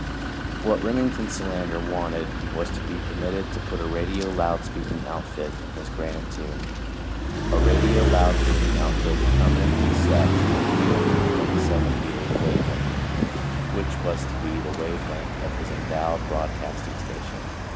What Remington Solander wanted was to be permitted to put a radio loud speaking outfit in his granite tomb a radio loud speaking outfit permanently set at 327 meters wave length, which was to be the wave length of his endowed broadcasting station.